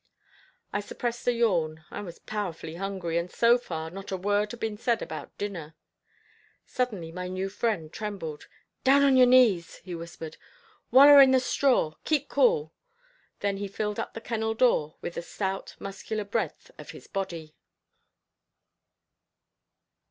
I suppressed a yawn. I was powerfully hungry, and so far, not a word had been said about dinner. Suddenly my new friend trembled. "Down on your knees," he whispered. "Waller in the straw. Keep cool " then he filled up the kennel door with the stout, muscular breadth of his body.